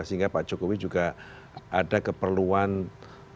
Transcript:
sehingga pak jokowi juga ada keperluan bagaimana legisimitasnya